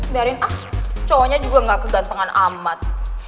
biarin ah cowoknya juga gak kegantengan amat